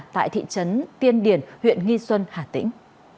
tại thị trấn tiên điển huyện nghi xuân hà tĩnh